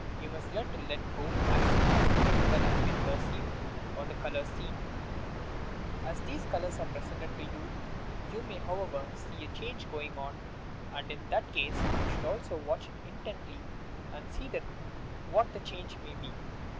You must learn to let go as soon as the symbol has been perceived, or the colour seen, '' As these colours are presented to you, you may, how ever, see a change going on, and in that case you should vatch it intently and see what the change may be.